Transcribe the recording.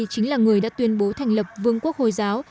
chính là người đã tuyên bố thành lập vương quốc hồi giáo